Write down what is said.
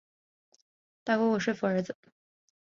大姑姑说服儿子